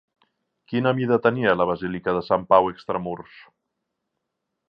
Quina mida tenia la basílica de Sant Pau Extramurs?